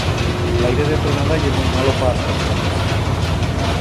L'aire de tronada ye muit malo pa as personas.